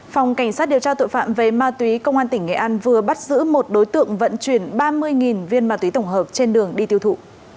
phòng cảnh sát điều tra tội phạm về ma túy công an tỉnh nghệ an vừa bắt giữ một đối tượng vận chuyển ba mươi viên ma túy tổng hợp trên đường đi tiêu thụ